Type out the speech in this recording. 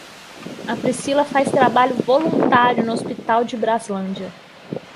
A Priscila faz trabalho voluntário no Hospital de Brazlândia.